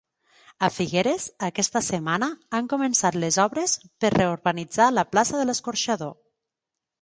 A Figueres, aquesta setmana han començat les obres per reurbanitzar la plaça de l'Escorxador.